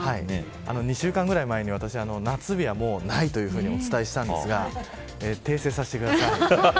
２週間ぐらい前に私、夏日はもうないとお伝えしたんですが訂正させてください。